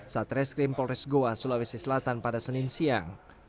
satreskrim polres goa sulawesi selatan pada senin siang